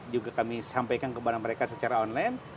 juga kami sampaikan kepada mereka secara online